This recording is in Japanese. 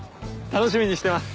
楽しみにしてます。